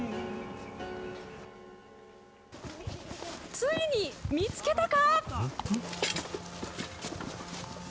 ついに見つけたか？